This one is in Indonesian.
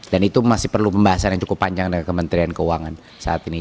dan itu masih perlu pembahasan yang cukup panjang dengan kementerian keuangan saat ini